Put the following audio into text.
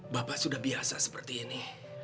bapak sudah biasa seperti ini